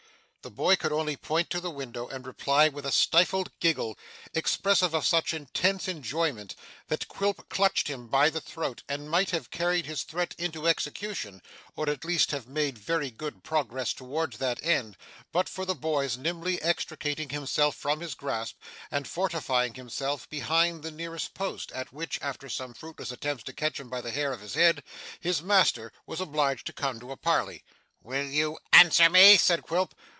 The boy could only point to the window, and reply with a stifled giggle, expressive of such intense enjoyment, that Quilp clutched him by the throat and might have carried his threat into execution, or at least have made very good progress towards that end, but for the boy's nimbly extricating himself from his grasp, and fortifying himself behind the nearest post, at which, after some fruitless attempts to catch him by the hair of the head, his master was obliged to come to a parley. 'Will you answer me?' said Quilp.